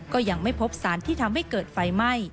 ก็ยังไม่พบสารที่ทำให้เกิดไฟไหม้